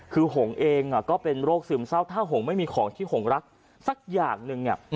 คือหงเองก็เป็นโรคซึมเศร้าถ้าหงไม่มีของที่หงรักสักอย่างหนึ่ง